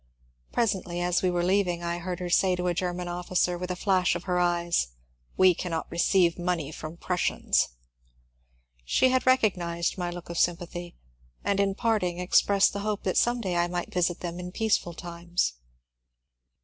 Presently, as we were leaving, I heard her say to a Grerman officer, with a flash of her eyes, ^^ we cannot receive money from Prussians." She had reoog^ nized my look of sympathy, and in parting expressed the hope that some day I might visit them in peaceful times.